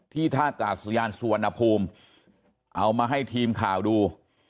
ท่ากาศยานสุวรรณภูมิเอามาให้ทีมข่าวดู